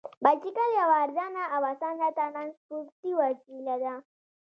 بایسکل یوه ارزانه او اسانه ترانسپورتي وسیله ده.